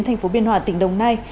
thành phố biên hòa tỉnh đồng nai